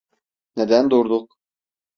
Neden durduk?